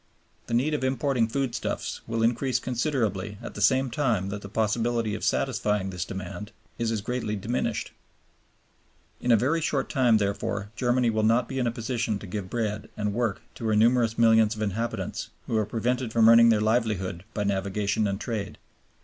The need of importing foodstuffs will increase considerably at the same time that the possibility of satisfying this demand is as greatly diminished. In a very short time, therefore, Germany will not be in a position to give bread and work to her numerous millions of inhabitants, who are prevented from earning their livelihood by navigation and trade.